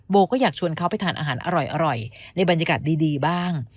ก็อยากชวนเขาไปทานอาหารอร่อยในบรรยากาศดีบ้าง